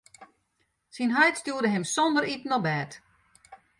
Syn heit stjoerde him sonder iten op bêd.